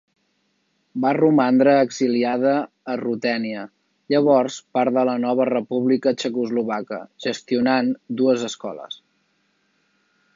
Va romandre exiliada a Rutènia, llavors part de la nova República txecoslovaca, gestionant dues escoles.